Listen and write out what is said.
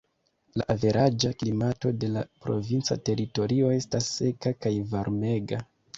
La averaĝa klimato de la provinca teritorio estas seka kaj varmega.